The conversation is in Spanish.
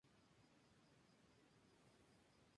La cola es negruzca.